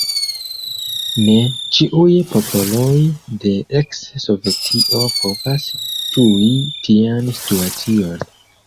Ne ĉiuj popoloj de eks-Sovetio povas ĝui tian situacion.